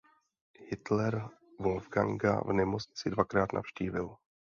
Hitler Wolfganga v nemocnici dvakrát navštívil.